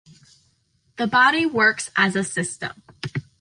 The body works as a system.